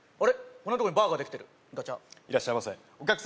こんなとこにバーができてるガチャッいらっしゃいませお客様